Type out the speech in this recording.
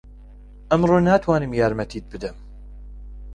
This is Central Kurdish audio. ئەمڕۆ ناتوانم یارمەتیت بدەم.